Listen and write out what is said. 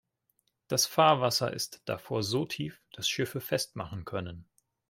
Das Fahrwasser ist davor so tief, dass Schiffe festmachen können.